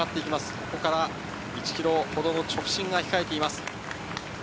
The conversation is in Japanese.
ここから１ｋｍほど直進が控えています。